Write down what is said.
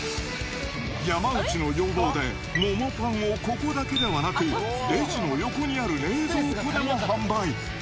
山内の要望で、桃パンをここだけではなく、レジの横にある冷蔵庫でも販売。